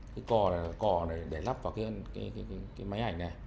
mình có một cái cỏ để lắp vào cái máy ảnh này